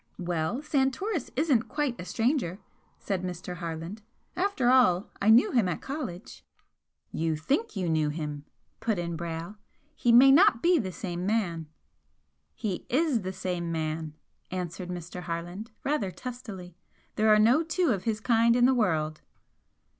"Well, Santoris isn't quite a stranger," said Mr. Harland "After all, I knew him at college " "You think you knew him," put in Brayle "He may not be the same man." "He is the same man," answered Mr. Harland, rather testily "There are no two of his kind in the world."